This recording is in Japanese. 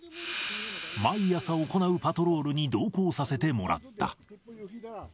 毎朝行うパトロールに同行させてもらった。